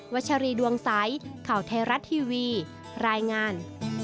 วัชรีดวงสายเข่าไทยรัตน์ทีวีรายงาน